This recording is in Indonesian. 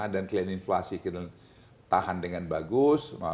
dan kalian inflasi kita tahan dengan bagus